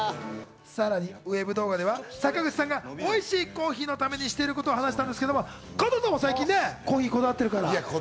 さらにＷＥＢ動画では坂口さんがおいしいコーヒーのためにしていることを話していたんですけど、加藤さんも最近、コーヒーこだわってるから。